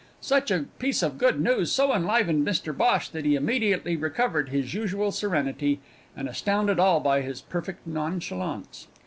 Such a piece of good news so enlivened Mr Bhosh, that he immediately recovered his usual serenity, and astounded all by his perfect nonchalance.